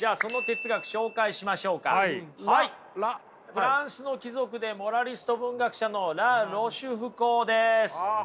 フランスの貴族でモラリスト文学者のラ・ロシュフコーです。